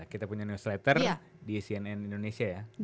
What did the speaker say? kita punya newslater di cnn indonesia ya